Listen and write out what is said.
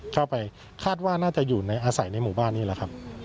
คาดว่าน่าจะอยู่ในอาศัยในหมู่บ้านนี้แล้วครับ